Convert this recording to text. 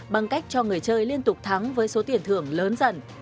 bằng cách cho người chơi liên tục thắng với số tiền thưởng lớn dần